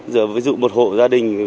giờ ví dụ một hộ gia đình